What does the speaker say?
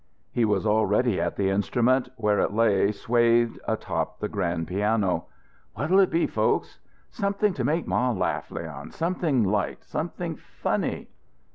He was already at the instrument, where it lay swathed, atop the grand piano. "What'll it be, folks?" "Something to make ma laugh, Leon something light, something funny."